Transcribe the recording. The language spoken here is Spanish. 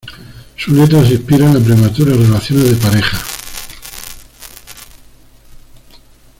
Su letra se inspira en las prematuras relaciones de pareja.